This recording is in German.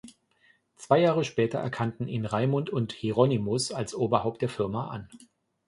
Zwei Jahre später erkannten ihn Raymund und Hieronimus als Oberhaupt der Firma an.